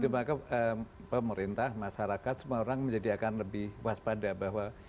maka pemerintah masyarakat semua orang menjadi akan lebih waspada bahwa